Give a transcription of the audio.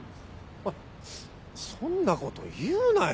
ハハそんなこと言うなよ！